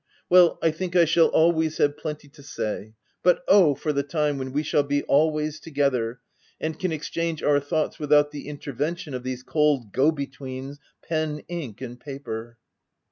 Well, I think I shall always have plenty to say — But O ! for the time when we shall be al ways together, and can exchange our thoughts without the intervention of these cold go be tweens, pen, ink, and paper